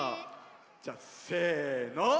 じゃあせの。